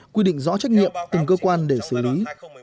quy định rõ trách nhiệm từng cơ quan để xử lý